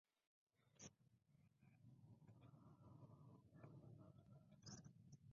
Las minas de carbón de Yen-t'ai fueron quemadas por las fuerzas chinas.